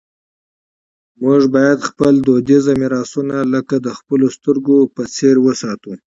موږ باید خپل فرهنګي میراثونه لکه د خپلو سترګو په څېر وساتو.